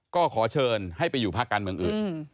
ก็ขอเชิญให้ไปอยู่ภาคการเมืองอื่น